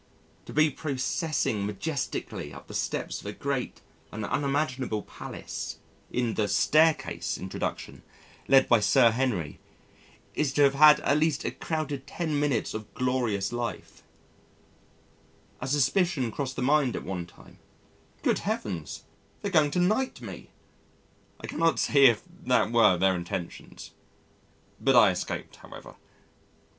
To be processing majestically up the steps of a great, an unimaginable palace (in the "Staircase" introduction), led by Sir Henry, is to have had at least a crowded ten minutes of glorious life a suspicion crossed the mind at one time "Good Heavens, they're going to knight me." I cannot say if that were their intentions. But I escaped however....